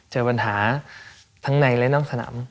เจอปัญหาทั้งในและนอกสนาม